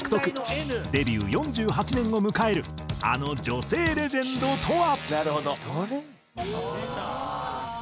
デビュー４８年を迎えるあの女性レジェンドとは？